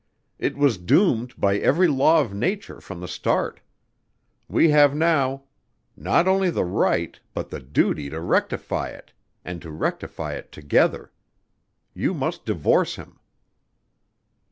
It was doomed by every law of nature from the start. We have now not only the right but the duty to rectify it, and to rectify it together. You must divorce him."